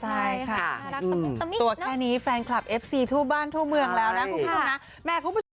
ใช่ค่ะตัวแค่นี้แฟนคลับเอฟซีทั่วบ้านทั่วเมืองแล้วนะคุณผู้ชมนะ